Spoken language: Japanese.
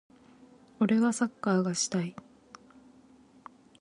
俺はサッカーがしたい。